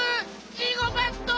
ジゴバット！